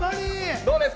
どうですか？